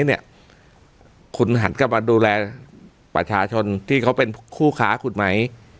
เนี่ยคุณหันกลับมาดูแลประชาชนที่เขาเป็นคู่ค้าคุณไหม